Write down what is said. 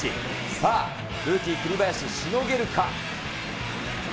さあ、ルーキー栗林、しのげるか。